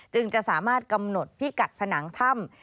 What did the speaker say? จึงจะสามารถกำหนดพิกัดผนังถ้ำ